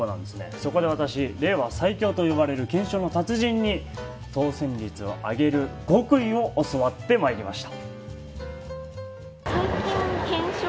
そこで私は令和最強と呼ばれる懸賞の達人に当選率を上げる極意を教わってまいりました。